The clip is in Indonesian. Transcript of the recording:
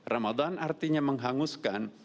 ramadhan artinya menghanguskan